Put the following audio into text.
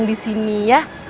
cuma hidupnya aaron